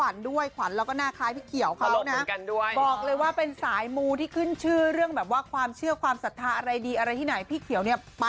นั้นคือพี่เจ็นเองเขียว